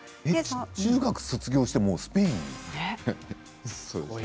中学卒業して、もうスペインですか。